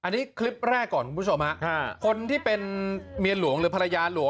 ที่ฉันรับตอบเมียน้อยผัวนะคะ๓คน